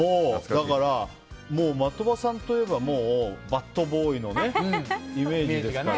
だから、的場さんといえばバッドボーイのイメージですから。